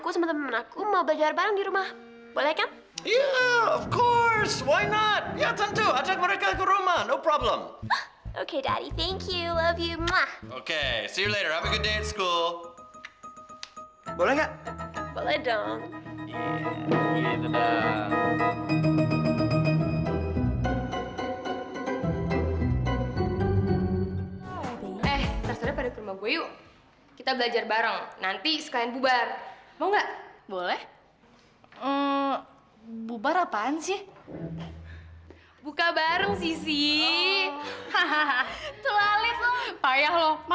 sampai jumpa di video selanjutnya